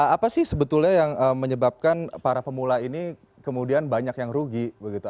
apa sih sebetulnya yang menyebabkan para pemula ini kemudian banyak yang rugi begitu